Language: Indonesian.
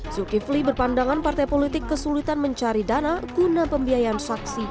zulkifli berpandangan partai politik kesulitan mencari dana guna pembiayaan saksi